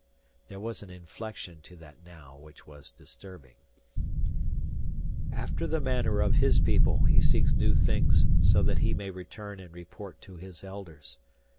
There was an inflection to that "now" which was disturbing. "After the manner of his people he seeks new things so that he may return and report to his Elders.